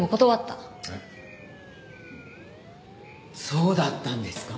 そうだったんですか？